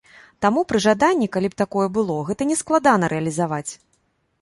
Таму пры жаданні, калі б такое было, гэта не складана рэалізаваць.